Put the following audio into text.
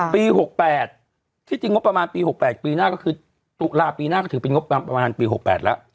ปี๖๘ที่จะมีลาปีหน้าก็ถือเป็นประมาณ๖๘แล้ว